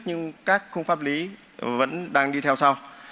nhưng các khung pháp lý vẫn đang đi theo sau